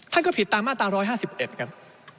ท่านก็ผิดตามมาตรา๑๕๑ครับ